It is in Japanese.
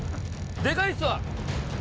でかいっすわ！